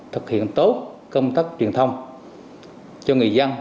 thực hiện tốt công tác truyền thông cho người dân